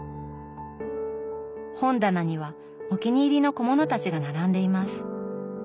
本棚にはお気に入りの小物たちが並んでいます。